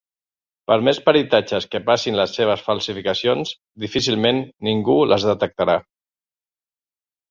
Per més peritatges que passin les seves falsificacions difícilment ningú les detectarà.